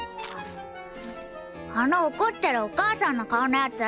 あの怒ってるお母さんの顔のやつ。